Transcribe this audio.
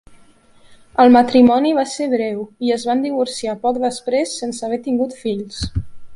El matrimoni va ser breu i es van divorciar poc després sense haver tingut fills.